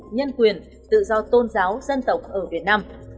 nhân quyền tự do tôn giáo dân tộc ở việt nam